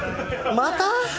また？